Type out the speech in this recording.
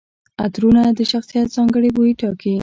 عطرونه د شخصیت ځانګړي بوی ټاکي.